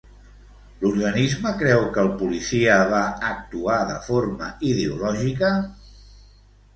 L'organisme creu que el policia va actuar de forma ideològica?